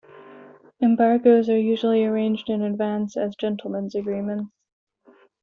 Embargoes are usually arranged in advance as gentlemen's agreements.